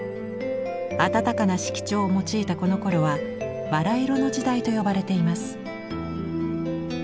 暖かな色調を用いたこのころは「バラ色の時代」と呼ばれています。